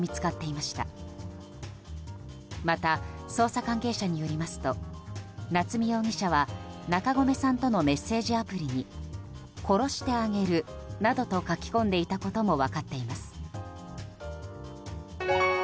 また、捜査関係者によりますと夏見容疑者は中込さんとのメッセージアプリに殺してあげるなどと書き込んでいたことも分かっています。